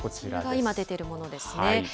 今出ているものですね。